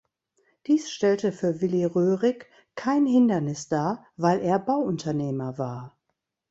Dies stellte für Willy Röhrig kein Hindernis dar, weil er Bauunternehmer war.